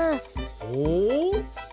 ほう。